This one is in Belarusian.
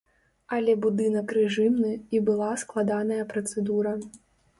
Але будынак рэжымны, і была складаная працэдура.